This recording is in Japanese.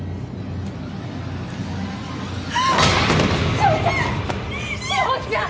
志保ちゃん！志保ちゃん！